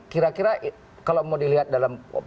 kira kira kalau mau dilihat dalam